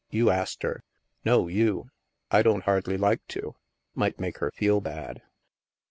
" You ast her. No, you. I don't hardly like to. Might make her feel bad."